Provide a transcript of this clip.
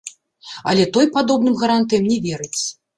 Але той падобным гарантыям не верыць.